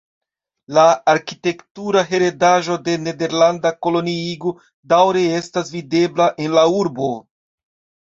La arkitektura heredaĵo de nederlanda koloniigo daŭre estas videbla en la urbo.